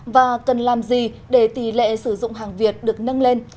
và cần làm gì để tỷ lệ sử dụng hàng việt được nâng lên